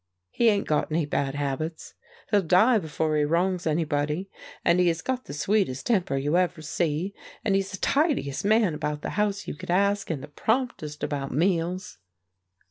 He 'ain't got any bad habits; he'll die before he wrongs anybody; and he has got the sweetest temper you ever see; and he's the tidiest man about the house you could ask, and the promptest about meals."